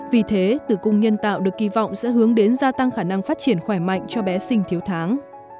vì thế tử cung nhân tạo được kỳ vọng sẽ hướng đến gia tăng khả năng phát triển khỏe mạnh cho bé sinh thiếu tháng